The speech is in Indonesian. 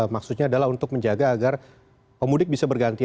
maksudnya adalah untuk menjaga agar pemudik bisa berganti